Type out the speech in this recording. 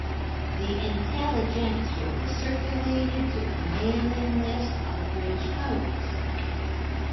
The "Intelligencer" was circulated to a mailing list of British poets.